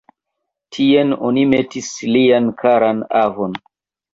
Tien oni metis lian karan avon.